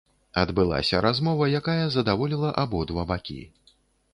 Адбылася размова, якая задаволіла абодва бакі.